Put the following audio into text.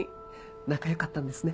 仲良かったんですね。